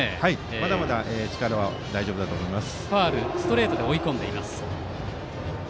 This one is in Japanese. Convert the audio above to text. まだまだ力は大丈夫だと思います。